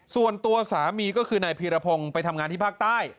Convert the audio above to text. ส่วนตัวสามีก็คือนายพีรพงศ์ไปทำงานที่ภาคใต้